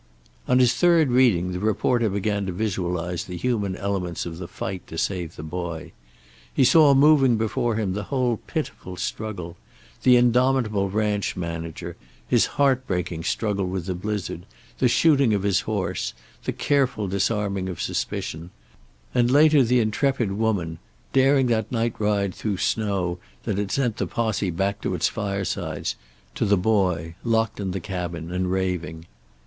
On his third reading the reporter began to visualize the human elements of the fight to save the boy; he saw moving before him the whole pitiful struggle; the indomitable ranch manager, his heart breaking struggle with the blizzard, the shooting of his horse, the careful disarming of suspicion, and later the intrepid woman, daring that night ride through snow that had sent the posse back to its firesides to the boy, locked in the cabin and raving.